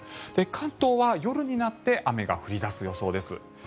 関東は夜になって雨が降り出す予想です。